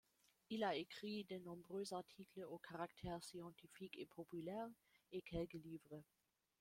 Il a écrit de nombreux articles au caractère scientifique et populaire et quelques livres.